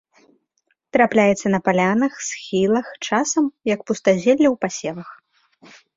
Трапляецца на палянах, схілах, часам як пустазелле ў пасевах.